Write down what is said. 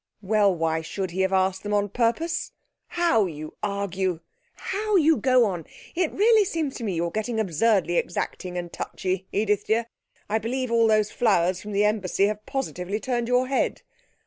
'Well, why should he have asked them on purpose? How you argue! How you go on! It really seems to me you're getting absurdly exacting and touchy, Edith dear. I believe all those flowers from the embassy have positively turned your head.